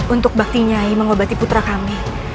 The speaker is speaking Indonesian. untuk bakti nyai mengobati putra kami